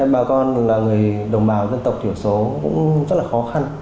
bà con là người đồng bào dân tộc thiểu số cũng rất là khó khăn